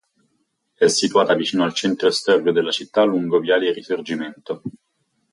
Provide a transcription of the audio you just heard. È situata vicino al centro storico della città, lungo viale Risorgimento.